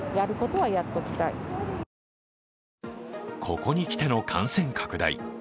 ここにきての感染拡大。